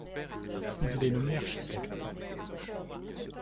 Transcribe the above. Puis il est nommé architecte.